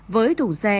với thủng xe